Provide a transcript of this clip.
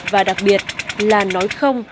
và đặc biệt là nói không